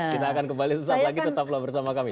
kita akan kembali sesaat lagi tetaplah bersama kami